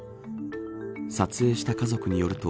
撮影した家族によると